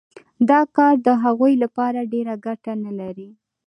دا کار د هغوی لپاره ډېره ګټه نلري